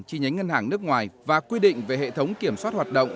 chi nhánh ngân hàng nước ngoài và quy định về hệ thống kiểm soát hoạt động